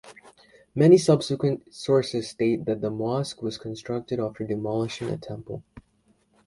Many subsequent sources state that the mosque was constructed after demolishing a temple.